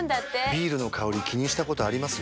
ビールの香り気にしたことあります？